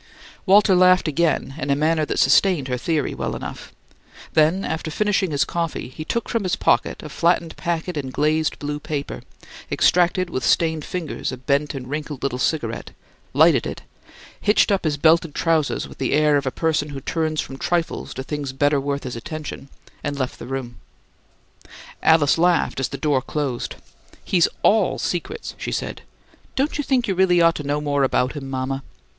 Walter laughed again, in a manner that sustained her theory well enough; then after finishing his coffee, he took from his pocket a flattened packet in glazed blue paper; extracted with stained fingers a bent and wrinkled little cigarette, lighted it, hitched up his belted trousers with the air of a person who turns from trifles to things better worth his attention, and left the room. Alice laughed as the door closed. "He's ALL secrets," she said. "Don't you think you really ought to know more about him, mama?"